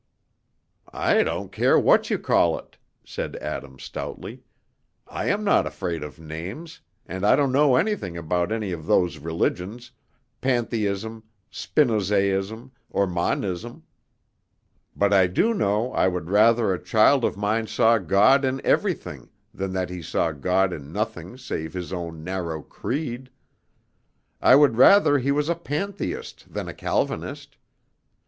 "I don't care what you call it," said Adam, stoutly. "I am not afraid of names, and I don't know anything about any of those religions, pantheism, Spinozaism, or monism; but I do know I would rather a child of mine saw God in everything than that he saw God in nothing save his own narrow creed. I would rather he was a pantheist than a Calvinist.